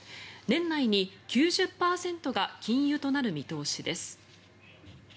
年内に９０％が禁輸となる見通しです。